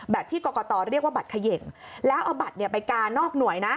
ที่กรกตเรียกว่าบัตรเขย่งแล้วเอาบัตรไปกานอกหน่วยนะ